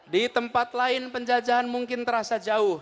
di tempat lain penjajahan mungkin terasa jauh